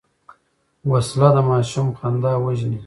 وسله د ماشوم خندا وژني